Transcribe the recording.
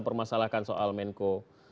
permasalahkan soal menko